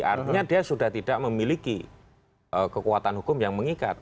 artinya dia sudah tidak memiliki kekuatan hukum yang mengikat